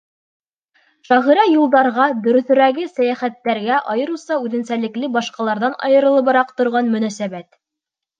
Шағирға юлдарға, дөрөҫөрәге, сәйәхәттәргә, айырыуса үҙенсәлекле, башҡаларҙан айырылыбыраҡ торған мөнәсәбәт.